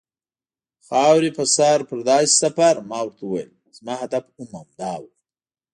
خاورې په سر پر داسې سفر، ما ورته وویل: زما هدف هم همدا و.